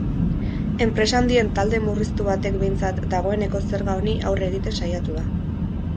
Enpresa handien talde murriztu batek behintzat dagoeneko zerga honi aurre egiten saiatu da.